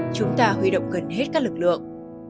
chúng ta huy động gần hết các lực lượng